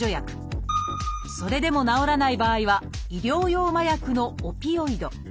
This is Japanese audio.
それでも治らない場合は医療用麻薬のオピオイド。